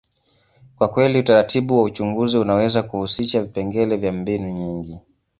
kwa kweli, utaratibu wa uchunguzi unaweza kuhusisha vipengele vya mbinu nyingi.